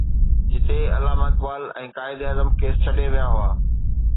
جتي علامه اقبال ۽ قائداعظم کيس ڇڏي ويا هئا.